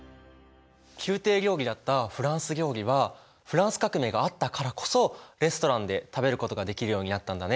宮廷料理だったフランス料理はフランス革命があったからこそレストランで食べることができるようになったんだね。